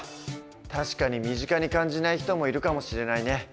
確かに身近に感じない人もいるかもしれないね。